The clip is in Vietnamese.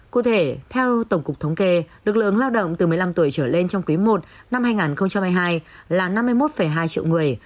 cụ thể theo tổng cục thống kê lực lượng lao động từ một mươi năm tuổi trở lên trong quý i năm hai nghìn hai mươi hai là năm mươi một hai triệu người